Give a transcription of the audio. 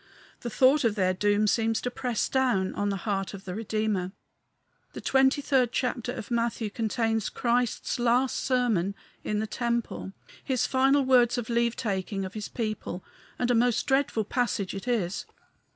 The thought of their doom seems to press down the heart of the Redeemer. The twenty third chapter of Matthew contains Christ's last sermon in the temple his final words of leave taking of his people; and a most dreadful passage it is.